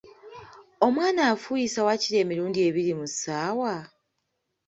Omwana afuuyisa waakiri emirundi ebiri mu ssaawa ?